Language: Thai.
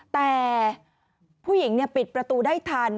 แต่ผู้หญิงปิดประตูได้ทัน